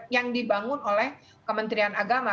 yang dibangun oleh kementerian agama